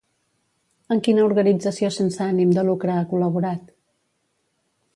En quina organització sense ànim de lucre ha col·laborat?